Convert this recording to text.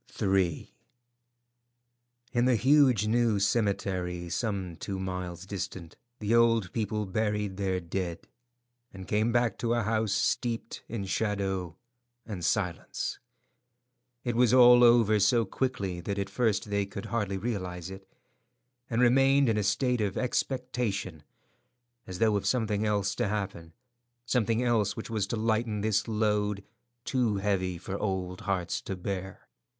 III. In the huge new cemetery, some two miles distant, the old people buried their dead, and came back to a house steeped in shadow and silence. It was all over so quickly that at first they could hardly realize it, and remained in a state of expectation as though of something else to happen —something else which was to lighten this load, too heavy for old hearts to bear.